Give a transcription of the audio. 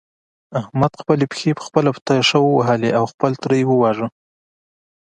احمد خپلې پښې په خپله په تېشه ووهلې او خپل تره يې وواژه.